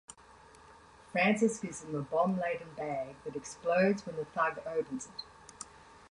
Francis gives them a bomb-laden bag that explodes when the thug opens it.